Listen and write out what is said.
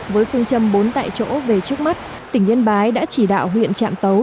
với phương châm bốn tại chỗ về trước mắt tỉnh yên bái đã chỉ đạo huyện trạm tấu